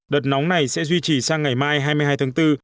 đợt nóng này sẽ duy trì sang ngày mai hai mươi hai tháng bốn